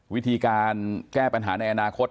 วิธีการแก้ปัญหาในอนาคต